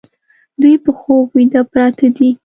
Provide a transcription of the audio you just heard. دوی په خوب ویده پراته دي